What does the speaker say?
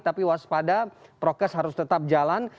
tapi waspada prokes harus tetap jalan